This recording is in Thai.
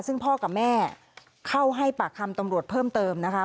ซึ่งพ่อกับแม่เข้าให้ปากคำตำรวจเพิ่มเติมนะคะ